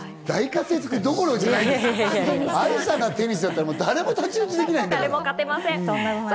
愛さんがテニスやったら、誰も太刀打ちできないんだから。